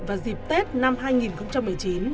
vào dịp tết năm hai nghìn một mươi chín